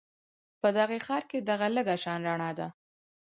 په دې ښار کې دغه لږه شان رڼا ده